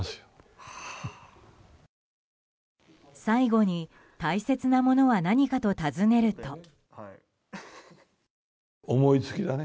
最後に大切なものは何かと尋ねると。